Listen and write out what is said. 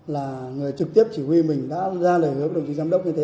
là người trực tiếp chỉ huy mình đã ra lời hứa với đồng chí giám đốc như thế